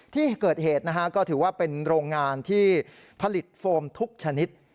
ที่เกิดเหตุนะฮะก็ถือว่าเป็นโรงงานที่ผลิตโฟมทุกชนิด